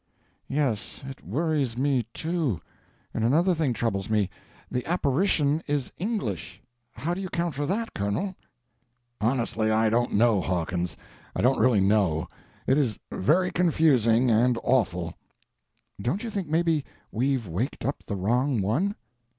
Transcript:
"Yes—it worries me, too. And another thing troubles me—the apparition is English. How do you account for that, Colonel?" "Honestly, I don't know, Hawkins, I don't really know. It is very confusing and awful." "Don't you think maybe we've waked up the wrong one?"